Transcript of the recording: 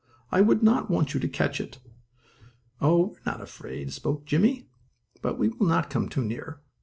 I would not want you to catch it." "Oh, we are not afraid," spoke Jimmie. "But we will not come too near.